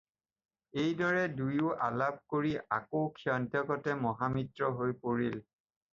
এইদৰে দুয়ো আলাপ কৰি আকৌ ক্ষন্তেকতে মহামিত্ৰ হৈ পৰিল।